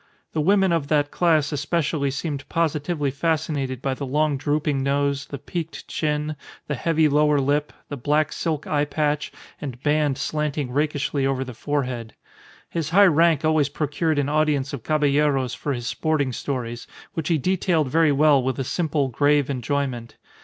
The women of that class especially seemed positively fascinated by the long drooping nose, the peaked chin, the heavy lower lip, the black silk eyepatch and band slanting rakishly over the forehead. His high rank always procured an audience of Caballeros for his sporting stories, which he detailed very well with a simple, grave enjoyment.